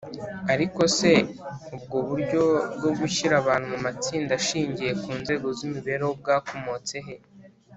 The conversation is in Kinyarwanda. ariko se, ubwo buryo bwo gushyira abantu mu matsinda ashingiye ku nzego z’imibereho bwakomotse he?